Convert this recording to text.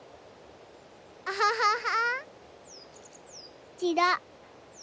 アハハハハ！